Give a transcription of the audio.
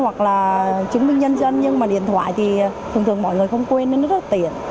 và chứng minh nhân dân nhưng mà điện thoại thì thường thường mọi người không quên nên nó rất là tiện